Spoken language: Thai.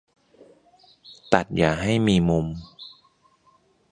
ตัดอย่าให้มีมุม